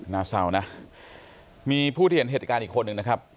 น่าเศร้านะมีผู้ที่เห็นเหตุการณ์อีกคนนึงนะครับ